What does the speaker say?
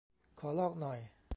ขอลอกหน่อย